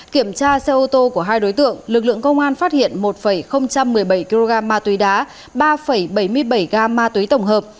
kiểm tra xe ô tô của hai đối tượng lực lượng công an phát hiện một một mươi bảy kg ma túy đá ba bảy mươi bảy gam ma túy tổng hợp